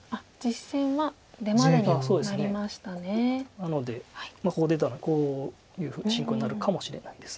なのでここ出たらこういう進行になるかもしれないです。